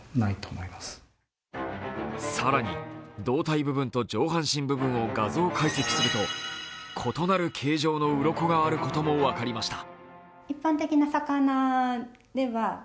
更に胴体部分と上半身部分を画像解析すると異なる形状のうろこがあることも分かりました。